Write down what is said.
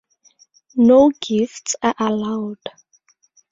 No gifts are allowed.